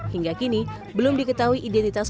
hingga kini belum diketahui identitas